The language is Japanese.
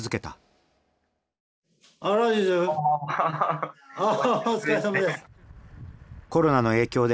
あラジズお疲れさまです。